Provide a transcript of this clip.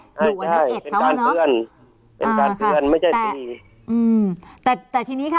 ใช่เป็นการเตือนเป็นการเตือนไม่ใช่ตีอืมแต่แต่ทีนี้ค่ะ